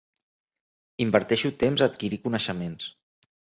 Inverteixo temps a adquirir coneixements.